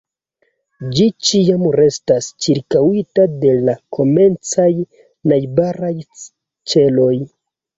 Ĝi ĉiam restas ĉirkaŭita de la komencaj najbaraj ĉeloj.